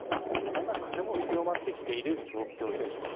だんだん風も強まってきている状況です。